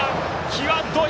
際どい。